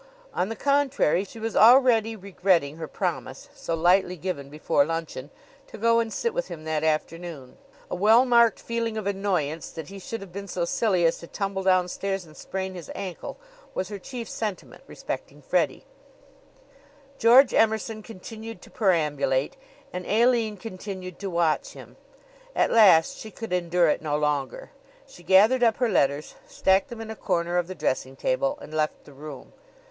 On the contrary, she was already regretting her promise, so lightly given before luncheon, to go and sit with him that afternoon. A well marked feeling of annoyance that he should have been so silly as to tumble downstairs and sprain his ankle was her chief sentiment respecting Freddie. George Emerson continued to perambulate and Aline continued to watch him. At last she could endure it no longer. She gathered up her letters, stacked them in a corner of the dressing table and left the room.